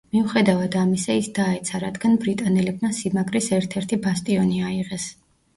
მიუხედავად ამისა ის დაეცა, რადგან ბრიტანელებმა სიმაგრის ერთ-ერთი ბასტიონი აიღეს.